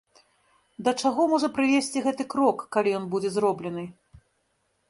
Да чаго можа прывесці гэты крок, калі ён будзе зроблены?